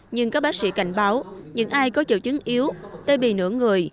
nhưng các bác sĩ cảnh báo những ai có triệu chứng yếu tê bì nửa người